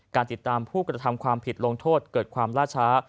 การติดตามผู้กระทำความผิดลงโทษเกิดความล่าช้า